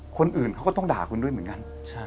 คนอื่นเขาก็ต้องด่าคุณด้วยเหมือนกัน